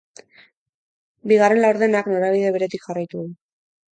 Bigarren laurdenak norabide beretik jarraitu du.